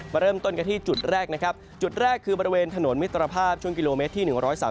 เริ่มต้นกันที่จุดแรกนะครับจุดแรกคือบริเวณถนนมิตรภาพช่วงกิโลเมตรที่๑๓